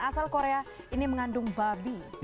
asal korea ini mengandung babi